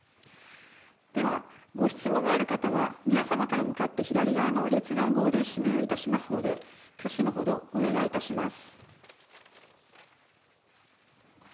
では、ご質問がある方は皆様から向かって左側の列番号で指名をいたしますので挙手のほどをお願いいたします。